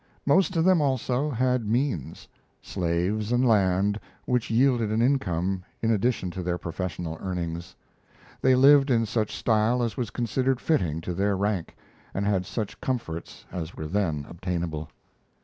Most of them, also, had means slaves and land which yielded an income in addition to their professional earnings. They lived in such style as was considered fitting to their rank, and had such comforts as were then obtainable.